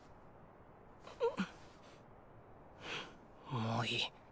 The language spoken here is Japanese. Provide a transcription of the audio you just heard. もういい。